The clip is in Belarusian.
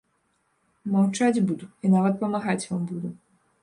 Маўчаць буду і нават памагаць вам буду.